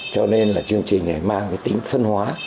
cho nên là chương trình này mang cái tính phân hóa